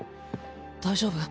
大丈夫？